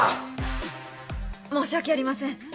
申し訳ありません。